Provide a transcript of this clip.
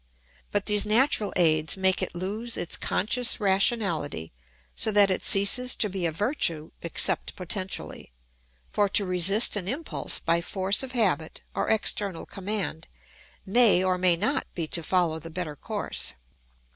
But these natural aids make it lose its conscious rationality, so that it ceases to be a virtue except potentially; for to resist an impulse by force of habit or external command may or may not be to follow the better course.